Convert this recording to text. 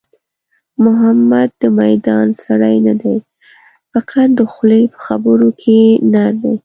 محمود د میدان سړی نه دی، فقط د خولې په خبرو کې نر دی.